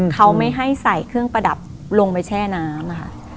เขาไม่ให้ใส่เครื่องประดับลงไปแช่น้ำค่ะ